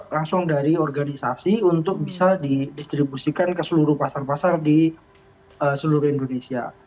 langsung dari organisasi untuk bisa didistribusikan ke seluruh pasar pasar di seluruh indonesia